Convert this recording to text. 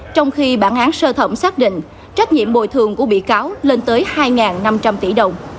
trong khi bản án sơ thẩm xác định trách nhiệm bồi thường của bị cáo lên tới hai năm trăm linh tỷ đồng